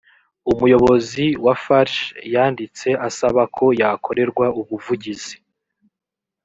umuyobozi wa farg yanditse asaba ko yakorerwa ubuvugizi